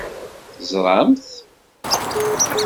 Teẓṛam-t?